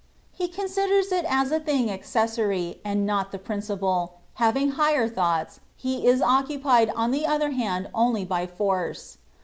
He con siders it as a thing accessory, and not the princi pal y^ having higher thoughts, he is occupied on the other hand only by force.